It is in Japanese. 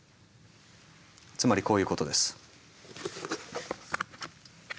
つまりこういうことです。